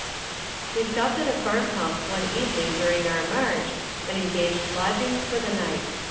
We stopped at a farm house one evening during our march, and engaged lodgings for the night.